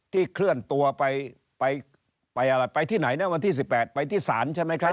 ที่เคลื่อนตัวไปที่ไหนเนี่ยวันที่๑๘ไปที่ศาลใช่ไหมครับ